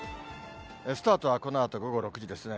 スタートはこのあと午後６時ですね。